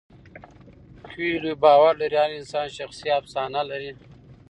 کویلیو باور لري هر انسان شخصي افسانه لري.